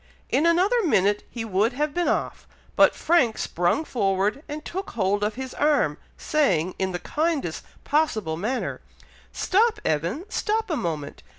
In another minute he would have been off, but Frank sprung forward and took hold of his arm, saying, in the kindest possible manner, "Stop, Evan! Stop a moment!